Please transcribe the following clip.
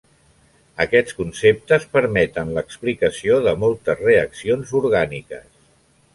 Aquests conceptes permeten l'explicació de moltes reaccions orgàniques.